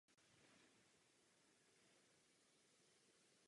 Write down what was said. Ze středu střechy se tyčí úzká zvonička.